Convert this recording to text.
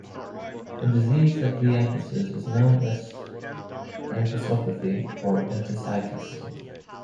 A disease of the entheses is known as an "enthesopathy" or "enthesitis".